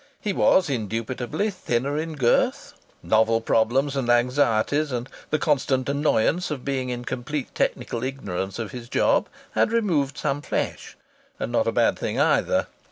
He was, indubitably thinner in girth; novel problems and anxieties, and the constant annoyance of being in complete technical ignorance of his job, had removed some flesh. (And not a bad thing, either!)